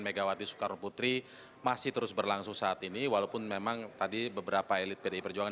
megawati soekarno putri masih terus berlangsung saat ini walaupun memang tadi beberapa elit pdi perjuangan